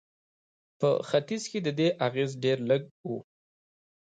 په ختیځ کې د دې اغېز ډېر لږ و.